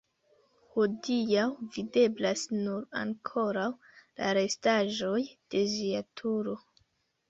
Hodiaŭ videblas nur ankoraŭ la restaĵoj de ĝia turo.